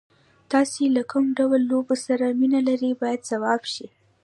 تاسو له کوم ډول لوبو سره مینه لرئ باید ځواب شي.